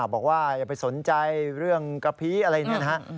บอกว่าอย่าไปสนใจเรื่องกะพีอะไรเนี่ยนะฮะ